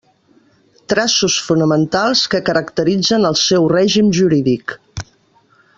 Traços fonamentals que caracteritzen el seu règim jurídic.